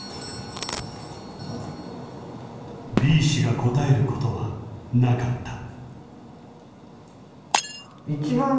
Ｂ氏が答えることはなかった。